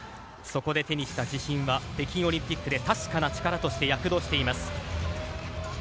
そこで手にした自信は北京オリンピックで確かな力として躍動しています。